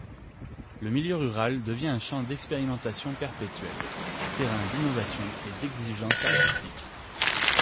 Le milieu rural devient un champ d'expérimentations perpétuel, terrain d'innovations et d'exigence artistique.